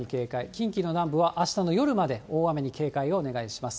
近畿の南部はあしたの夜まで大雨に警戒をお願いします。